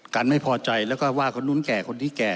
กันไม่พอใจแล้วก็ว่าคนนู้นแก่คนที่แก่